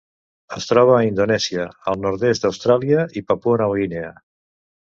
Es troba a Indonèsia, el nord-oest d'Austràlia i Papua Nova Guinea.